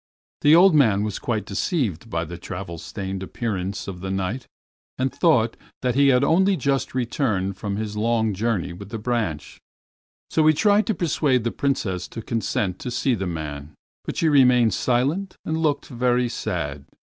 The old man was quite deceived by the travel stained appearance of the Knight, and thought that he had only just returned from his long journey with the branch. So he tried to persuade the Princess to consent to see the man. But she remained silent and looked very sad.